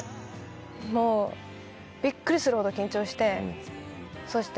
もうビックリするほど緊張してそして